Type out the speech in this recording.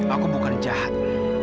aku bukan jahat